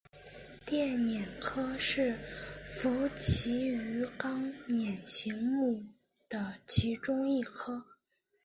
电鲇科是辐鳍鱼纲鲇形目的其中一科。